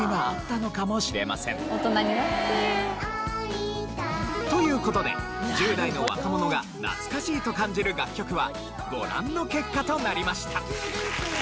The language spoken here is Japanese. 大人になって。という事で１０代の若者が懐かしいと感じる楽曲はご覧の結果となりました。